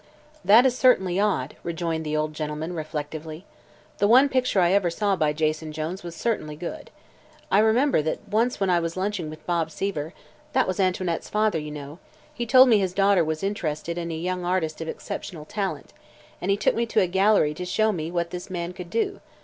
"That is certainly odd," rejoined the old gentleman, reflectively. "The one picture I ever saw by Jason Jones was certainly good. I remember that once when I was lunching with Bob Seaver that was Antoinette's father, you know he told me his daughter was interested in a young artist of exceptional talent, and he took me to a gallery to show me what this man could do.